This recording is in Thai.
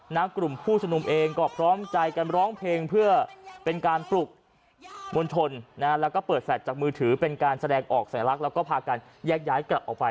กลุ่มผู้ชมนุมเองก็พร้อมใจกันร้องเพลงเพื่อเป็นการปลุกมวลชนนะฮะแล้วก็เปิดแฟลตจากมือถือเป็นการแสดงออกสัญลักษณ์แล้วก็พากันแยกย้ายกลับออกไป